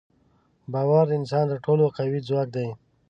باور د انسان تر ټولو قوي ځواک دی.